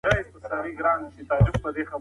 ښځي د زده کړي او کار مساوي حق لري.